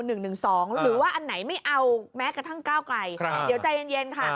หรือว่าอันไหนไม่เอาแม้กระทั่งก้าวไกลเดี๋ยวใจเย็นค่ะ